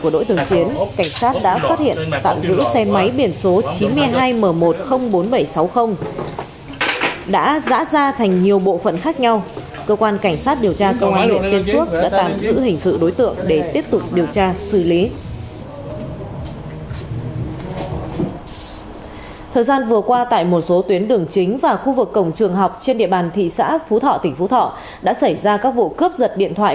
đối tượng này căm một m sáu mươi năm và có xăm chữ tại các ngón tay phải